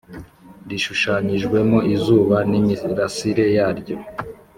Rishushanyijwemo izuba n’imirasire yaryo